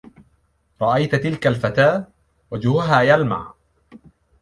رآيت تلك الفتاة؟ وجهها يلمع.